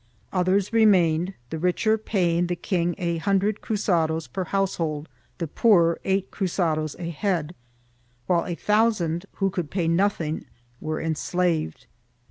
Others remained, the richer paying the king a hundred cruzados per household, the poorer eight cruzados a head, while a thousand, who could pay nothing, were enslaved.